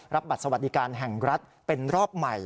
บัตรสวัสดิการแห่งรัฐเป็นรอบใหม่